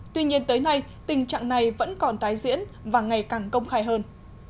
tuy nhiên tới nay tình trạng này vẫn còn tái diễn và ngày càng công khai hơn